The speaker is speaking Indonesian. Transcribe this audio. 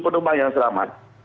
tujuh penumpang yang selamat